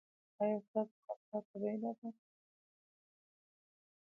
ایا ستاسو خندا طبیعي نه ده؟